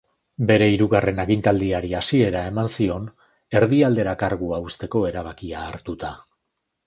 Bere hirugarren agintaldiari hasiera eman zion, erdialdera kargua uzteko erabakia hartuta.